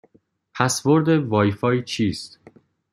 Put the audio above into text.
پسورد وای فای چیست؟